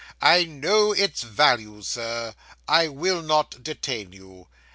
'I know its value, sir. I will not detain you.